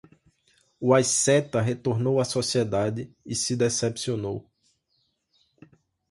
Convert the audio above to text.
O asceta retornou à sociedade e se decepcionou